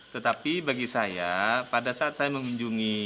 tetapi bagi saya pada saat saya mengunjungi anak anak itu